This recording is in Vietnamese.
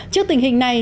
trước tình hình này